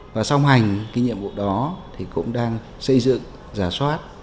và song hành cái nhiệm vụ đó thì cũng đang xây dựng giả soát